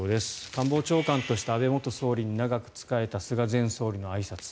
官房長官として安倍元総理に長く仕えた菅前総理のあいさつ